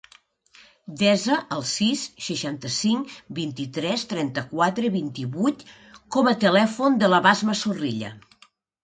Desa el sis, seixanta-cinc, vint-i-tres, trenta-quatre, vint-i-vuit com a telèfon de la Basma Zorrilla.